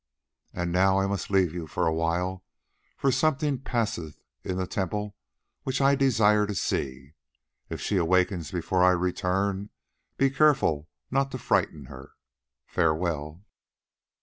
And now I must leave you for a while, for something passes in the temple which I desire to see. If she awakes before I return, be careful not to frighten her. Farewell!"